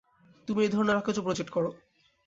তুৃমি এই ধরনের অকেজো প্রজেক্ট করো।